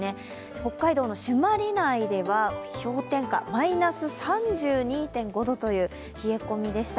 北海道の朱鞠内では氷点下、マイナス３２．５度という冷え込みでした。